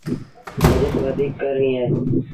بچت وڌيٚڪ ڪرڻيٚ اهي